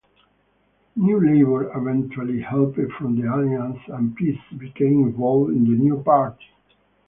NewLabour eventually helped form the Alliance, and Piesse became involved in the new party.